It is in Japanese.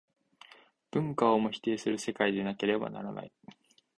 文化をも否定する世界でなければならない。